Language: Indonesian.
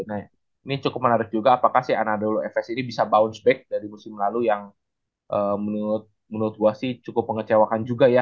nah ini cukup menarik juga apakah si anado fs ini bisa bounce back dari musim lalu yang menurut gue sih cukup mengecewakan juga ya